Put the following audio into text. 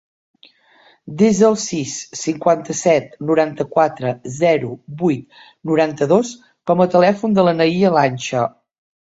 Desa el sis, cinquanta-set, noranta-quatre, zero, vuit, noranta-dos com a telèfon de la Nahia Lancha.